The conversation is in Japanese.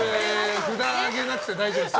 札を上げなくて大丈夫です。